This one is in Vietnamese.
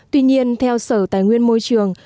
tuy nhiên theo sở tài nguyên môi trường